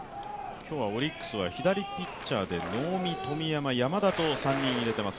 今日はオリックスは左ピッチャーで、能見、富山、山田と３人、入れています。